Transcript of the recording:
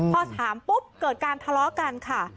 พอถามปุ๊บเกิดการทะเลาะกันค่ะ